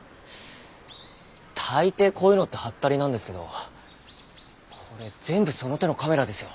大抵こういうのってハッタリなんですけどこれ全部その手のカメラですよ。